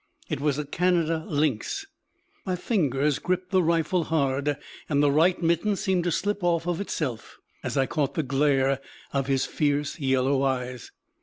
It was a Canada lynx. My fingers gripped the rifle hard, and the right mitten seemed to slip off of itself as I caught the glare of his fierce yellow eyes.